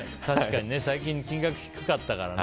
最近、金額が低かったからね。